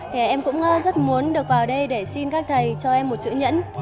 thì em cũng rất muốn được vào đây để xin các thầy cho em một chữ nhẫn